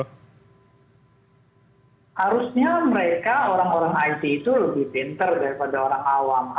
harusnya mereka orang orang it itu lebih pinter daripada orang awam